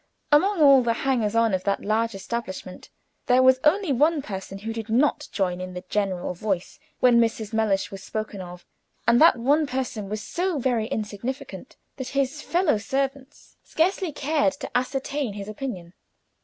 Among all the hangers on of that large establishment there was only one person who did not join in the general voice when Mrs. Mellish was spoken of, and that one person was so very insignificant that his fellow servants scarcely cared to ascertain his opinion.